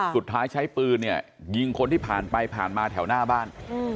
สุดท้ายใช้ปืนเนี่ยยิงคนที่ผ่านไปผ่านมาแถวหน้าบ้าน